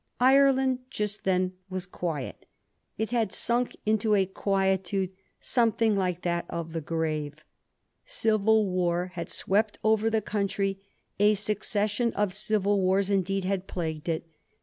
Ireland just then was quiet. It had sunk into ^ quietude something like that of the grave. Civil war had swept over the country ; a succession of •civil wars indeed had plagued it.